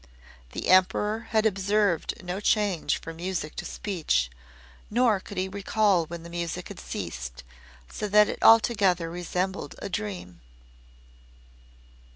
The Emperor had observed no change from music to speech, nor could he recall when the music had ceased, so that it altogether resembled a dream.